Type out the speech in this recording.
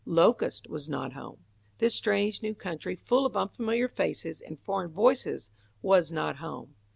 Locust was not home. This strange new country full of unfamiliar faces and foreign voices was not home.